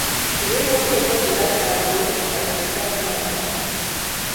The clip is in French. Il évolue au poste de latéral gauche avec le Club América.